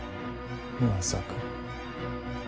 ⁉まさか。